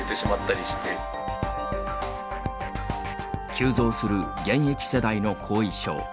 急増する現役世代の後遺症。